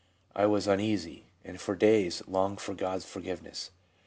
I was uneasy, and for days longed for God's forgiveness.'